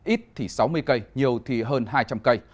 ít thì sáu mươi cây nhiều thì hơn hai trăm linh cây